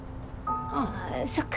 ああそっか。